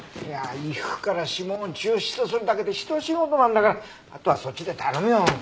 衣服から指紋を抽出するだけでひと仕事なんだからあとはそっちで頼むよ。